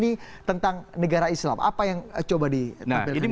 nah ini pertanyaan tentang negara islam apa yang coba ditampilkan di sini